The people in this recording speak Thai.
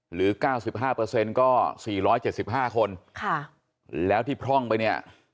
หรือ๙๕เปอร์เซ็นต์ก็๔๗๕คนแล้วที่พร่องไปเนี่ย